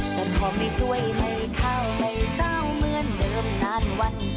แต่ขอไม่สวยไม่เข้าไม่เศร้าเหมือนเดิมนานวัน